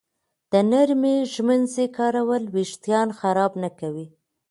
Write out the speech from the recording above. د نرمې ږمنځې کارول وېښتان خراب نه کوي.